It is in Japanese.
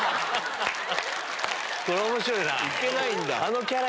これ面白いな。